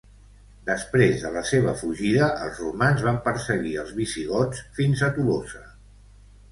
Després de la seva fugida, els romans van perseguir els visigots fins a Tolosa.